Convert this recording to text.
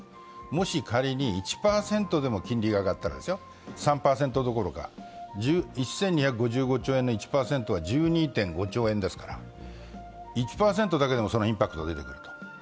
もし仮に１％でも金利が上がったら３％どころか１２５５兆円の１％は１２．５兆円ですから１％だけでもそのインパクトが出てくると。